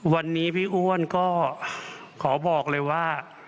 วันนี้พี่อ้วนก็ขอบอกเลยว่า